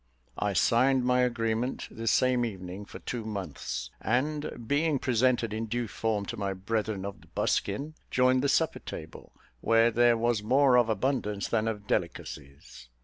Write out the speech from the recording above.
I signed my agreement the same evening for two months; and, being presented in due form to my brethren of the buskin, joined the supper table, where there was more of abundance than of delicacies.